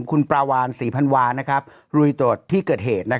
คุณปลาวานศรีพันวาลุยตรวจที่เกิดเหตุ